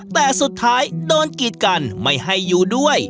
แต่สุดท้ายโดนกีดกันไม่ให้อยู่ด้วย